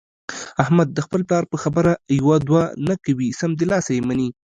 احمد د خپل پلار په خبره کې یوه دوه نه کوي، سمدلاسه یې مني.